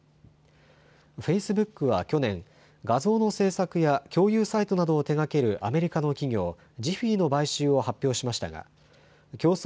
フェイスブックは去年、画像の制作や共有サイトなどを手がけるアメリカの企業、ジフィーの買収を発表しましたが競争